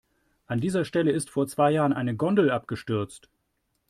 An dieser Stelle ist vor zwei Jahren eine Gondel abgestürzt.